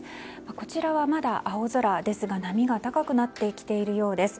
こちらはまだ青空ですが波が高くなってきているようです。